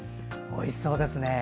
おいしそうですね。